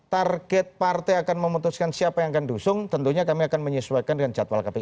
target partai akan memutuskan siapa yang akan diusung tentunya kami akan menyesuaikan dengan jadwal kpu